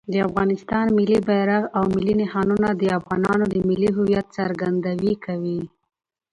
د افغانستان ملي بیرغ او ملي نښانونه د افغانانو د ملي هویت څرګندویي کوي.